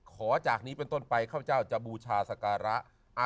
ขอจากนี้เป็นต้นไปข้าพเจ้าจะบูชาสการะ